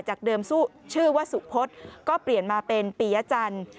เดิมชื่อว่าสุพศก็เปลี่ยนมาเป็นปียจันทร์